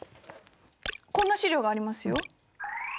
こんな資料がありますよ。